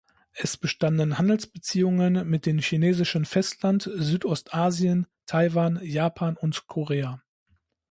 Es bestanden Handelsbeziehungen mit dem chinesischen Festland, Südostasien, Taiwan, Japan und Korea.